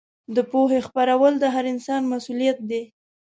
د پوهې خپرول د هر انسان مسوولیت دی.